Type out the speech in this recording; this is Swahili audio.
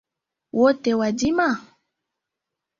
Wote wadhima?